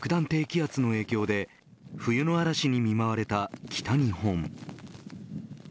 低気圧の影響で冬の嵐に見舞われた北日本。